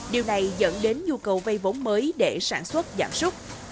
điều này dẫn đến nhu cầu vây vốn mới để sản xuất giảm súc